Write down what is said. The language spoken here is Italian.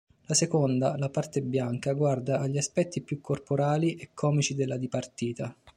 La seconda, la parte bianca, guarda agli aspetti più corporali e comici della dipartita.